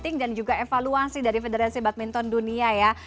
ini juga evaluasi dari federasi badminton dunia ya